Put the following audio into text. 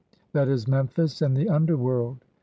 e., MEMPHIS) IN THE UNDERWORLD.